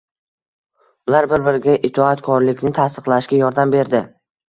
ular bir-biriga itoatkorlikni tasdiqlashga yordam berdi.